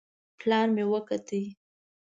پلان مې وکوت.